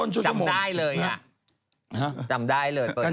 จำได้เลยอ่ะ